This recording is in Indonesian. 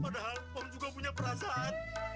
padahal om juga punya perasaan